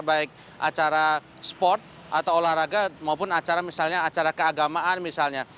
baik acara sport atau olahraga maupun acara misalnya acara keagamaan misalnya